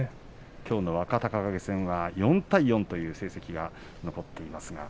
きょうの若隆景戦は４対４という成績です。